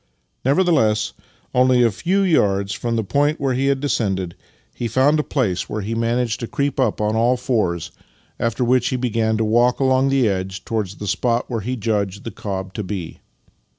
Nevertheless, only a few yards from the point where he had descended he found a place v.here he managed Master and Man 35 to creep up on all fours, after which he began to walk along the edge towards the spot where he judged the cob to be.